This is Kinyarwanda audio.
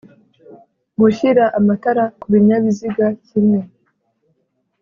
Gushyira amatara ku kinyabiziga kimwe